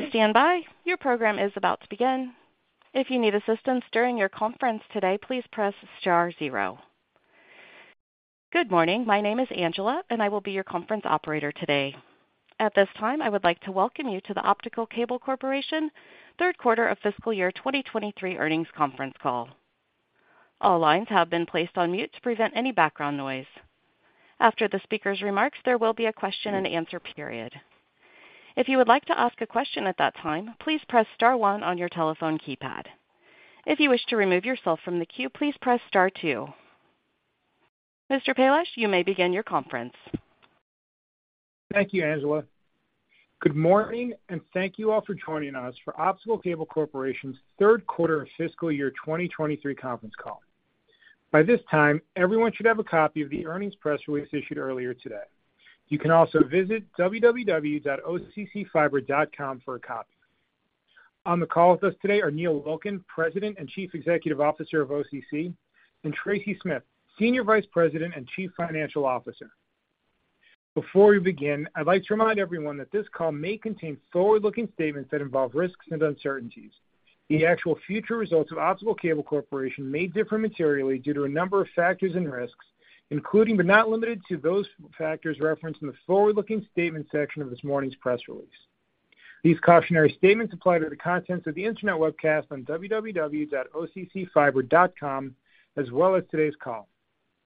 Please stand by. Your program is about to begin. If you need assistance during your conference today, please press star zero. Good morning. My name is Angela, and I will be your conference operator today. At this time, I would like to welcome you to the Optical Cable Corporation third quarter of fiscal year 2023 earnings conference call. All lines have been placed on mute to prevent any background noise. After the speaker's remarks, there will be a question-and-answer period. If you would like to ask a question at that time, please press star one on your telephone keypad. If you wish to remove yourself from the queue, please press star two. Mr. Palash, you may begin your conference. Thank you, Angela. Good morning, and thank you all for joining us for Optical Cable Corporation's third quarter of fiscal year 2023 conference call. By this time, everyone should have a copy of the earnings press release issued earlier today. You can also visit www.occfiber.com for a copy. On the call with us today are Neil Wilkin, President and Chief Executive Officer of OCC, and Tracy Smith, Senior Vice President and Chief Financial Officer. Before we begin, I'd like to remind everyone that this call may contain forward-looking statements that involve risks and uncertainties. The actual future results of Optical Cable Corporation may differ materially due to a number of factors and risks, including, but not limited to, those factors referenced in the forward-looking statement section of this morning's press release. These cautionary statements apply to the contents of the internet webcast on www.occfiber.com, as well as today's call.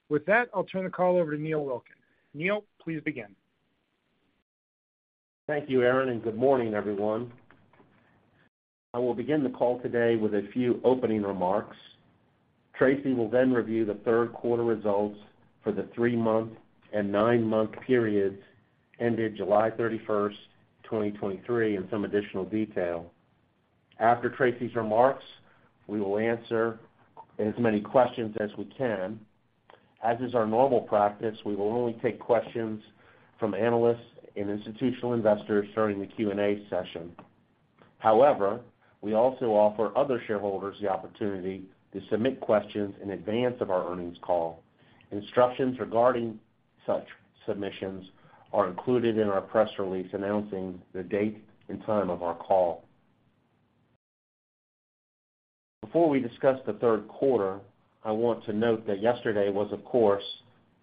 With that, I'll turn the call over to Neil Wilkin. Neil, please begin. Thank you, Aaron, and good morning, everyone. I will begin the call today with a few opening remarks. Tracy will then review the third quarter results for the three-month and nine-month periods ended July 31st, 2023, in some additional detail. After Tracy's remarks, we will answer as many questions as we can. As is our normal practice, we will only take questions from analysts and institutional investors during the Q&A session. However, we also offer other shareholders the opportunity to submit questions in advance of our earnings call. Instructions regarding such submissions are included in our press release announcing the date and time of our call. Before we discuss the third quarter, I want to note that yesterday was, of course,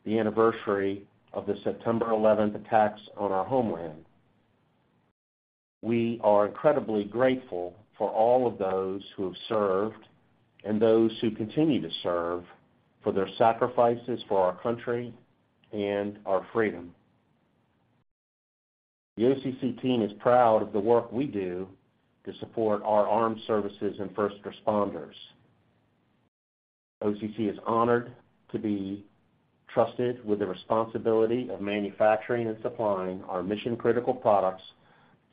the anniversary of the September 11 attacks on our homeland. We are incredibly grateful for all of those who have served and those who continue to serve, for their sacrifices for our country and our freedom. The OCC team is proud of the work we do to support our armed services and first responders. OCC is honored to be trusted with the responsibility of manufacturing and supplying our mission-critical products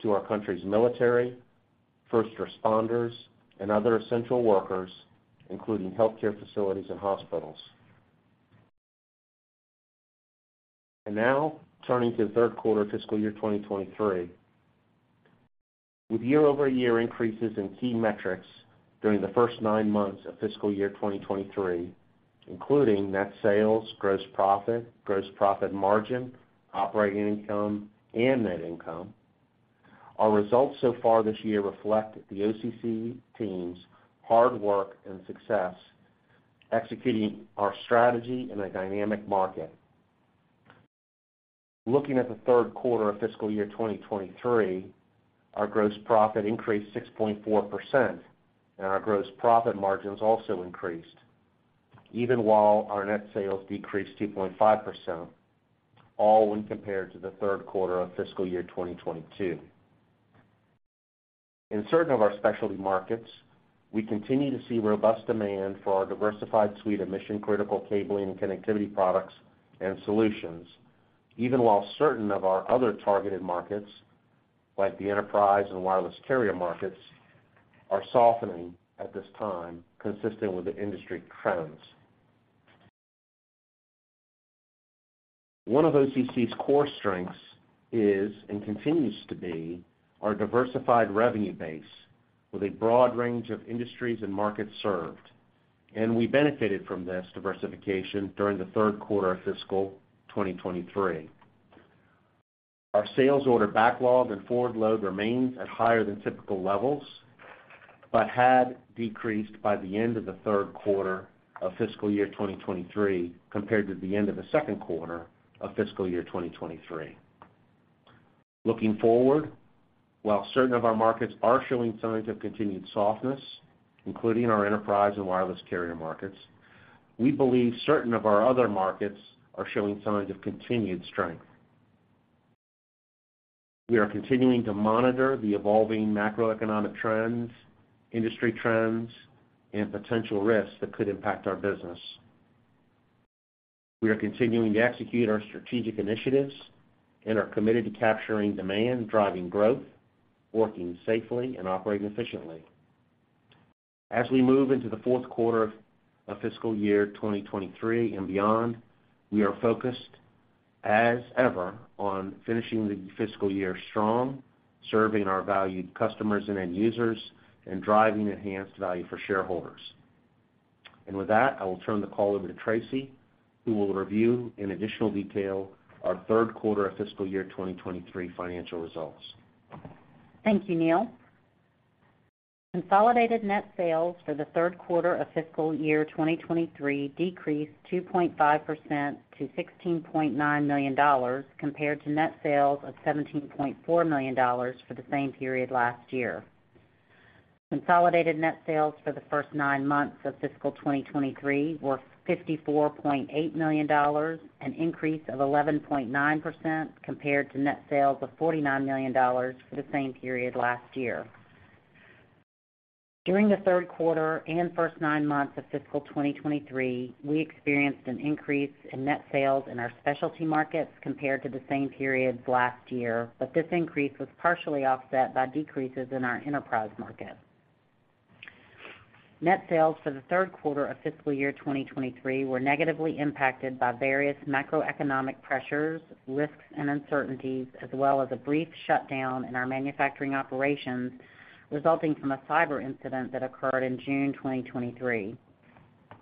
to our country's military, first responders, and other essential workers, including healthcare facilities and hospitals. And now, turning to the third quarter of fiscal year 2023. With year-over-year increases in key metrics during the first nine months of fiscal year 2023, including net sales, gross profit, Gross profit margin, operating income, and net income, our results so far this year reflect the OCC team's hard work and success executing our strategy in a dynamic market. Looking at the third quarter of fiscal year 2023, our gross profit increased 6.4%, and our gross profit margins also increased, even while our net sales decreased 2.5%, all when compared to the third quarter of fiscal year 2022. In certain of our specialty markets, we continue to see robust demand for our diversified suite of mission-critical cabling and connectivity products and solutions, even while certain of our other targeted markets, like the enterprise and wireless carrier markets, are softening at this time, consistent with the industry trends. One of OCC's core strengths is, and continues to be, our diversified revenue base with a broad range of industries and markets served, and we benefited from this diversification during the third quarter of fiscal 2023. Our sales order backlog and forward load remains at higher than typical levels, but had decreased by the end of the third quarter of fiscal year 2023, compared to the end of the second quarter of fiscal year 2023. Looking forward, while certain of our markets are showing signs of continued softness, including our enterprise and wireless carrier markets, we believe certain of our other markets are showing signs of continued strength. We are continuing to monitor the evolving macroeconomic trends, industry trends, and potential risks that could impact our business. We are continuing to execute our strategic initiatives and are committed to capturing demand, driving growth, working safely, and operating efficiently. As we move into the fourth quarter of fiscal year 2023 and beyond, we are focused as ever on finishing the fiscal year strong, serving our valued customers and end users, and driving enhanced value for shareholders. With that, I will turn the call over to Tracy, who will review in additional detail our third quarter of fiscal year 2023 financial results. Thank you, Neil. Consolidated net sales for the third quarter of fiscal year 2023 decreased 2.5% to $16.9 million, compared to net sales of $17.4 million for the same period last year. Consolidated net sales for the first nine months of fiscal 2023 were $54.8 million, an increase of 11.9% compared to net sales of $49 million for the same period last year. During the third quarter and first nine months of fiscal 2023, we experienced an increase in net sales in our specialty markets compared to the same period last year, but this increase was partially offset by decreases in our enterprise market. Net sales for the third quarter of fiscal year 2023 were negatively impacted by various macroeconomic pressures, risks and uncertainties, as well as a brief shutdown in our manufacturing operations, resulting from a cyber incident that occurred in June 2023.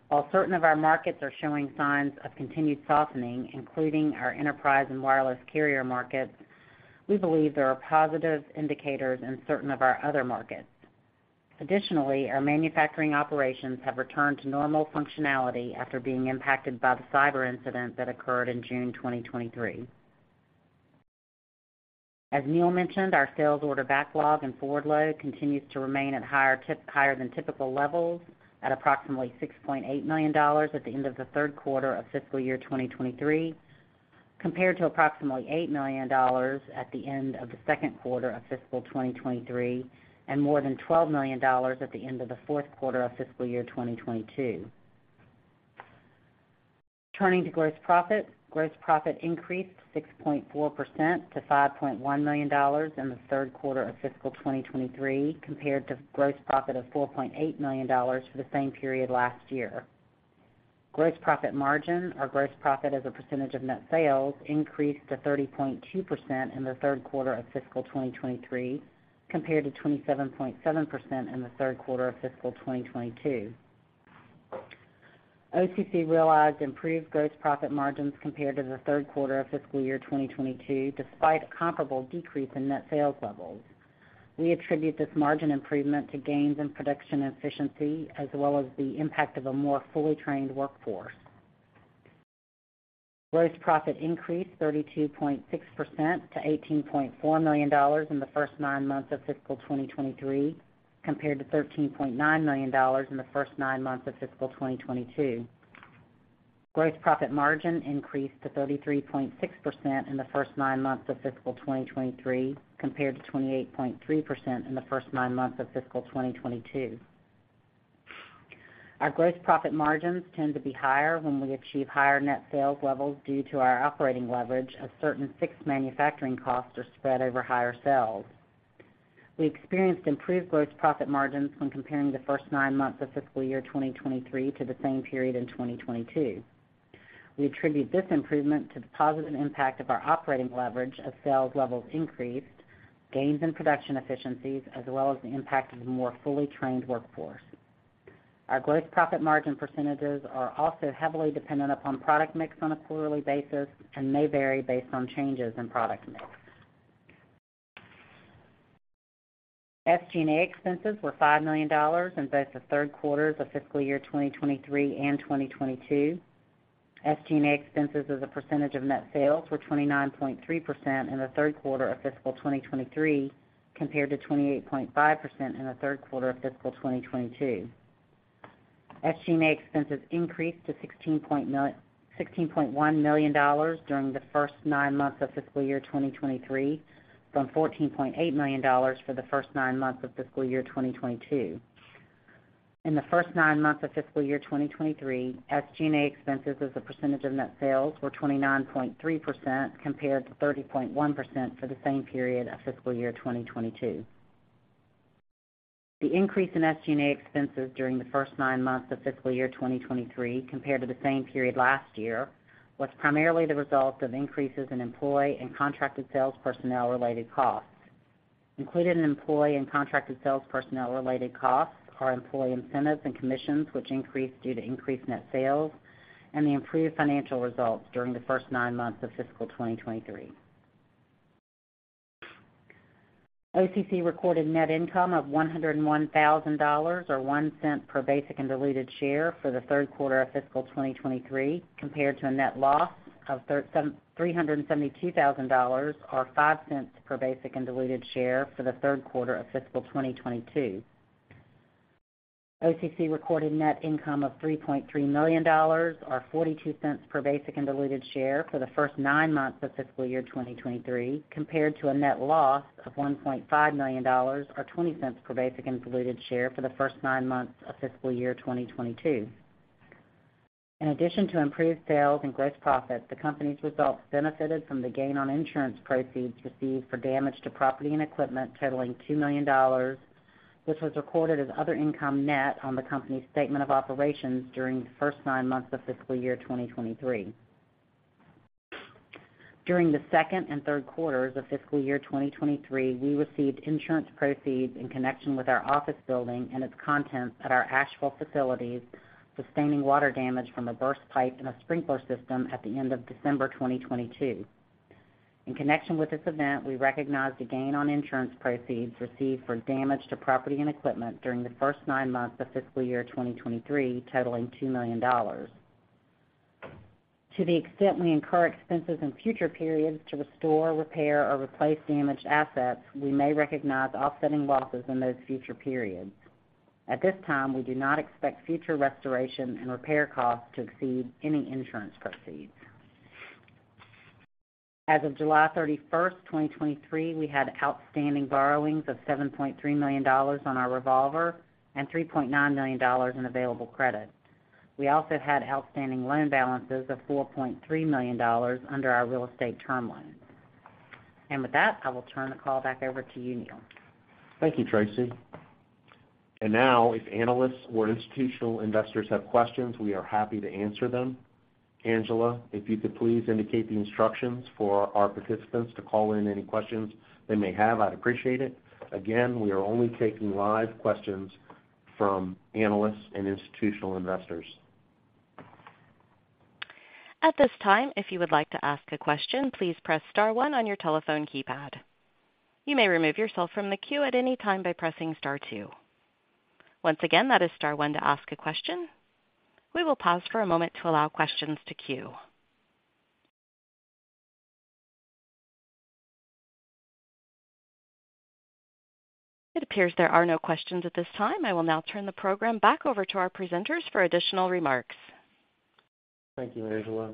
While certain of our markets are showing signs of continued softening, including our enterprise and wireless carrier markets, we believe there are positive indicators in certain of our other markets. Additionally, our manufacturing operations have returned to normal functionality after being impacted by the cyber incident that occurred in June 2023. As Neil mentioned, our sales order backlog and forward load continues to remain at higher than typical levels, at approximately $6.8 million at the end of the third quarter of fiscal year 2023, compared to approximately $8 million at the end of the second quarter of fiscal 2023, and more than $12 million at the end of the fourth quarter of fiscal year 2022. Turning to gross profit. Gross profit increased 6.4% to $5.1 million in the third quarter of fiscal 2023, compared to gross profit of $4.8 million for the same period last year. Gross Profit Margin, or gross profit as a percentage of net sales, increased to 30.2% in the third quarter of fiscal 2023, compared to 27.7% in the third quarter of fiscal 2022. OCC realized improved gross profit margins compared to the third quarter of fiscal year 2022, despite a comparable decrease in net sales levels. We attribute this margin improvement to gains in production efficiency, as well as the impact of a more fully trained workforce. Gross profit increased 32.6% to $18.4 million in the first nine months of fiscal 2023, compared to $13.9 million in the first nine months of fiscal 2022. Gross profit margin increased to 33.6% in the first nine months of fiscal 2023, compared to 28.3% in the first nine months of fiscal 2022. Our gross profit margins tend to be higher when we achieve higher net sales levels due to our operating leverage as certain fixed manufacturing costs are spread over higher sales. We experienced improved gross profit margins when comparing the first nine months of fiscal year 2023 to the same period in 2022. We attribute this improvement to the positive impact of our operating leverage as sales levels increased, gains in production efficiencies, as well as the impact of a more fully trained workforce. Our gross profit margin percentages are also heavily dependent upon product mix on a quarterly basis and may vary based on changes in product mix. SG&A expenses were $5 million in both the third quarters of fiscal year 2023 and 2022. SG&A expenses as a percentage of net sales were 29.3% in the third quarter of fiscal 2023, compared to 28.5% in the third quarter of fiscal 2022. SG&A expenses increased to $16.1 million during the first nine months of fiscal year 2023, from $14.8 million for the first nine months of fiscal year 2022. In the first nine months of fiscal year 2023, SG&A expenses as a percentage of net sales were 29.3%, compared to 30.1% for the same period of fiscal year 2022. The increase in SG&A expenses during the first nine months of fiscal year 2023 compared to the same period last year was primarily the result of increases in employee and contracted sales personnel related costs. Included in employee and contracted sales personnel related costs are employee incentives and commissions, which increased due to increased net sales and the improved financial results during the first nine months of fiscal 2023. OCC recorded net income of $101,000, or $0.01 per basic and diluted share for the third quarter of fiscal 2023, compared to a net loss of $372,000, or $0.05 per basic and diluted share for the third quarter of fiscal 2022. OCC recorded net income of $3.3 million, or $0.42 per basic and diluted share for the first nine months of fiscal year 2023, compared to a net loss of $1.5 million, or $0.20 per basic and diluted share for the first nine months of fiscal year 2022. In addition to improved sales and gross profit, the company's results benefited from the gain on insurance proceeds received for damage to property and equipment totaling $2 million, which was recorded as other income net on the company's statement of operations during the first nine months of fiscal year 2023.... During the second and third quarters of fiscal year 2023, we received insurance proceeds in connection with our office building and its contents at our Asheville facilities, sustaining water damage from a burst pipe in a sprinkler system at the end of December 2022. In connection with this event, we recognized a gain on insurance proceeds received for damage to property and equipment during the first 9 months of fiscal year 2023, totaling $2 million. To the extent we incur expenses in future periods to restore, repair, or replace damaged assets, we may recognize offsetting losses in those future periods. At this time, we do not expect future restoration and repair costs to exceed any insurance proceeds. As of July 31st, 2023, we had outstanding borrowings of $7.3 million on our revolver and $3.9 million in available credit. We also had outstanding loan balances of $4.3 million under our real estate term loan. With that, I will turn the call back over to you, Neil. Thank you, Tracy. Now, if analysts or institutional investors have questions, we are happy to answer them. Angela, if you could please indicate the instructions for our participants to call in any questions they may have, I'd appreciate it. Again, we are only taking live questions from analysts and institutional investors. At this time, if you would like to ask a question, please press star one on your telephone keypad. You may remove yourself from the queue at any time by pressing star two. Once again, that is star one to ask a question. We will pause for a moment to allow questions to queue. It appears there are no questions at this time. I will now turn the program back over to our presenters for additional remarks. Thank you, Angela.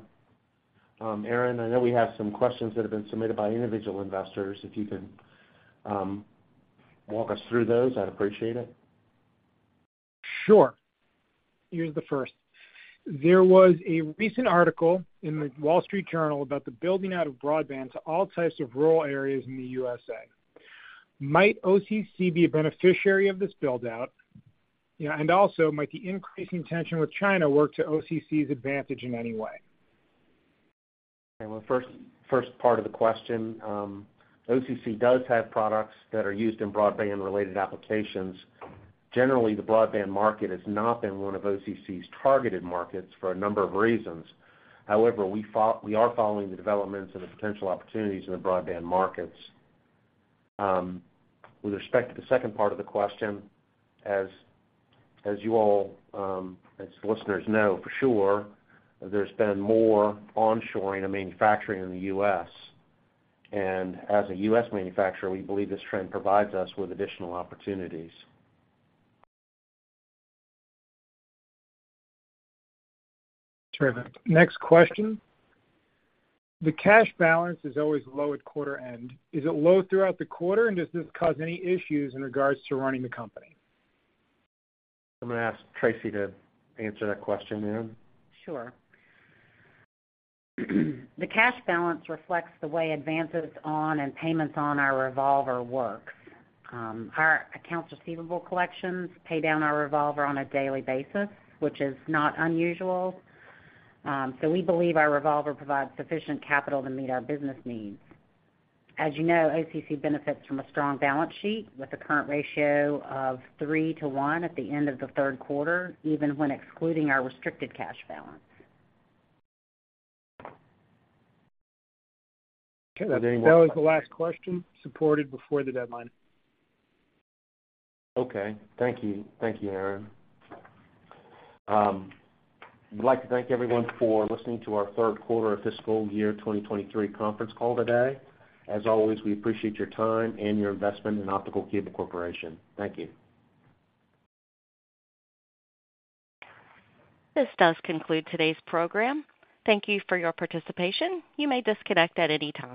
Aaron, I know we have some questions that have been submitted by individual investors. If you can, walk us through those, I'd appreciate it. Sure. Here's the first. There was a recent article in The Wall Street Journal about the building out of broadband to all types of rural areas in the USA. Might OCC be a beneficiary of this build-out? You know, and also, might the increasing tension with China work to OCC's advantage in any way? Well, first part of the question, OCC does have products that are used in broadband-related applications. Generally, the broadband market has not been one of OCC's targeted markets for a number of reasons. However, we are following the developments and the potential opportunities in the broadband markets. With respect to the second part of the question, as you all, as listeners know for sure, there's been more onshoring of manufacturing in the U.S. And as a U.S. manufacturer, we believe this trend provides us with additional opportunities. Terrific. Next question: The cash balance is always low at quarter end. Is it low throughout the quarter, and does this cause any issues in regards to running the company? I'm gonna ask Tracy to answer that question, Aaron. Sure. The cash balance reflects the way advances on and payments on our revolver works. Our accounts receivable collections pay down our revolver on a daily basis, which is not unusual. So we believe our revolver provides sufficient capital to meet our business needs. As you know, OCC benefits from a strong balance sheet with a current ratio of 3 to 1 at the end of the third quarter, even when excluding our restricted cash balance. Okay. That was the last question supported before the deadline. Okay. Thank you. Thank you, Aaron. We'd like to thank everyone for listening to our third quarter of fiscal year 2023 conference call today. As always, we appreciate your time and your investment in Optical Cable Corporation. Thank you. This does conclude today's program. Thank you for your participation. You may disconnect at any time.